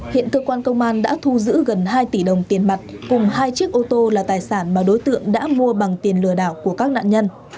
hiện cơ quan công an đã thu giữ gần hai tỷ đồng tiền mặt cùng hai chiếc ô tô là tài sản mà đối tượng đã mua bằng tiền lừa đảo của các nạn nhân